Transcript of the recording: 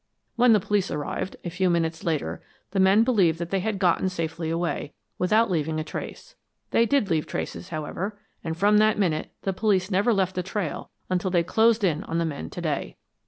When the police arrived, a few minutes later, the men believed that they had gotten safely away, without leaving a trace. They did leave traces, however, and from that minute the police never left the trail until they closed in on the men today."